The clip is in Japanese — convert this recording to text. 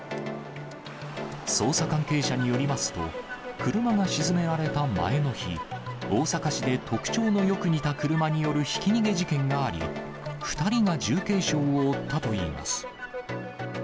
捜査関係者によりますと、車が沈められた前の日、大阪市で特徴のよく似た車によるひき逃げ事件があり、２人が重軽傷を負ったといいます。